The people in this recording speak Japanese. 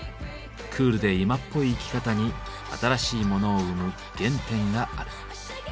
クールで今っぽい生き方に新しいモノを生む原点がある。